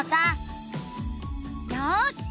よし！